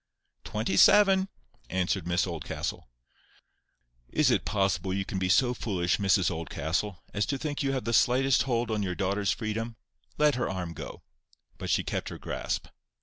"Twenty seven," answered Miss Oldcastle. "Is it possible you can be so foolish, Mrs Oldcastle, as to think you have the slightest hold on your daughter's freedom? Let her arm go." But she kept her grasp.